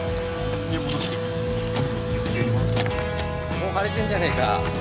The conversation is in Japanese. おっ貼れてんじゃねえか。